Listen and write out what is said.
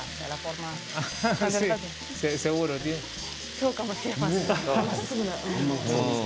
そうかもしれません。